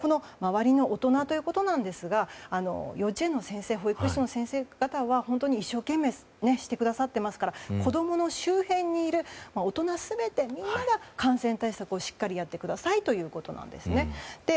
周りの大人ということですが幼稚園の先生、保育士の先生方は本当に一生懸命してくださっていますから子供の周辺にいる大人全てみんなが感染対策をしっかりやってくださいということです。